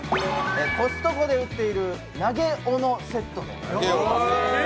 コストコで売っている投げ斧セットです。